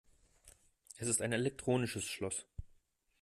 Es ist ein elektronisches Schloss.